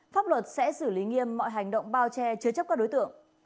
pháp luật sẽ xử lý nghiêm mọi hành động bao che chứa chấp các đối tượng